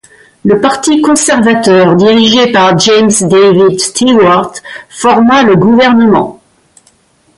Le Parti conservateur dirigé par James David Stewart forma le gouvernement.